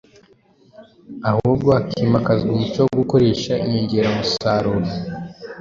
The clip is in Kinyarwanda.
ahubwo hakimakazwa umuco wo gukoresha inyongeramusaruro.